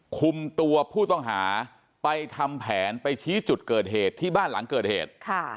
คุมตัวผู้ต้องหาไปทำแผนไปชี้จุดเกิดเหตุที่บ้านหลังเกิดเหตุ